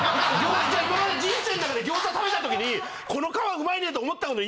じゃあ今まで人生の中で餃子食べた時にこの皮うまいねと思ったこと